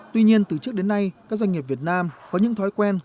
tuy nhiên từ trước đến nay các doanh nghiệp việt nam có những thói quen